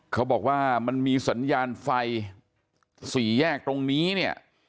เขาบอกว่ามันมีสัญญาณไฟสี่แยกตรงนี้เนี่ย